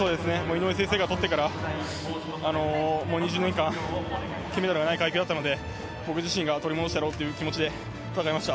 井上先生がとってから、もう２０年間、金メダルがない階級だったので、僕自身が取り戻してやろうっていう気持ちで戦いました。